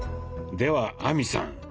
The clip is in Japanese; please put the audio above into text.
では亜美さん